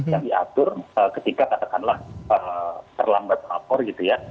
yang diatur ketika katakanlah terlambat lapor gitu ya